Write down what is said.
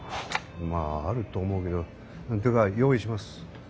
まああると思うけどってか用意します。